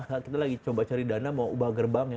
saat kita lagi coba cari dana mau ubah gerbangnya